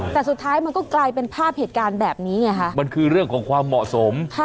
แต่สุดท้ายมันก็กลายเป็นภาพเหตุการณ์แบบนี้ไงฮะมันคือเรื่องของความเหมาะสม